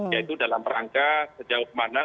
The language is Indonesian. yaitu dalam rangka sejauh mana